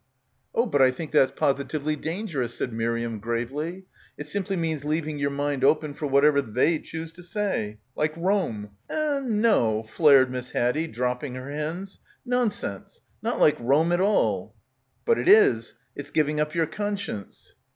"Oh, but I think that's positively dangerous" said Miriam gravely. "It simply means leaving your mind open for whatever they choose to say. Like Rome." "Eh, no — o— o," flared Miss Haddie, dropping her hands, "nonsense. Not like Rome at all." "But it is. It*5 giving up your conscience."